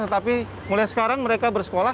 tetapi mulai sekarang mereka bersekolah